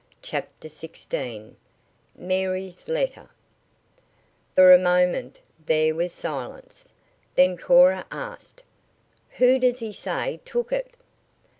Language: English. CHAPTER XVI MARY'S LETTER For a moment there was silence. Then Cora asked: "Who does he say took it?"